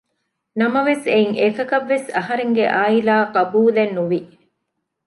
ނަމަވެސް އެއިން އެކަކަށްވެސް އަހަރެންގެ އާއިލާ ޤަބޫލެއް ނުވި